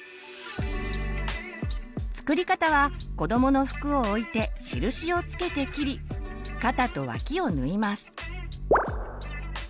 作り方はこどもの服を置いて印を付けて切り肩と脇を縫います。